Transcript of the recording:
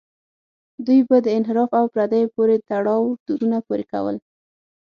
دوی به د انحراف او پردیو پورې تړاو تورونه پورې کول.